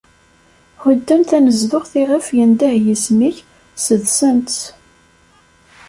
Hudden tanezduɣt iɣef yendeh yisem-ik, sdensen-tt.